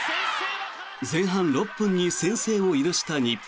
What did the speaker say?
前半６分に先制を許した日本。